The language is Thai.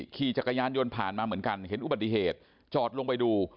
ขี่จักรยานยนต์ผ่านมาเหมือนกันเห็นอุบัติเหตุจอดลงไปดู